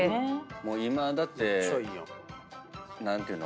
もう今だって何ていうの？